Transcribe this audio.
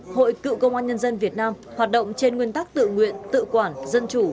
hội cựu công an nhân dân việt nam hoạt động trên nguyên tắc tự nguyện tự quản dân chủ